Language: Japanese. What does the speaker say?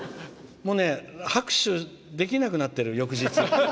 拍手できなくなってる、翌日。